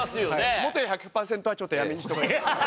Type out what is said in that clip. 元彌１００％はちょっとやめにしとかないと。